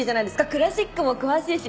クラシックも詳しいし。